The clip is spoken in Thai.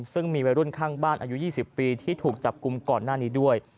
ซึ่งมีวัยรุ่นข้างบ้านอายุ๒๐ปีที่ถูกจับกลุ่มก่อนหน้านี้ด้วย